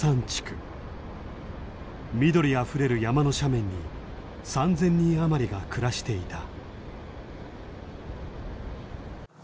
緑あふれる山の斜面に３０００人余りが暮らしていた。